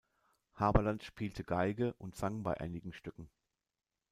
Haberland spielte Geige und sang bei einigen Stücken.